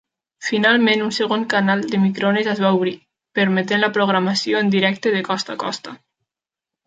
Finalment, un segon canal de microones es va obrir, permetent la programació en directe de costa a costa.